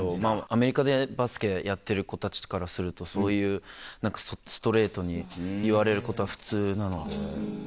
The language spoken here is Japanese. アメリカでバスケやってる子たちからするとそういうストレートに言われることは普通なので。